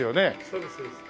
そうですそうです。